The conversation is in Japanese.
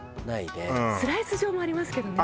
スライス状もありますけどね。